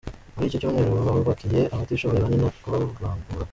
Muri icyo cyumweru bubakiye abatishoboye bane nta kuvangura.